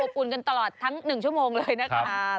อุ่นกันตลอดทั้ง๑ชั่วโมงเลยนะคะ